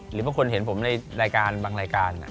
หรือบางคนเห็นผมในรายการบางรายการ